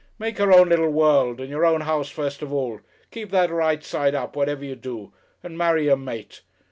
Make your own little world and your own house first of all, keep that right side up whatever you do, and marry your mate....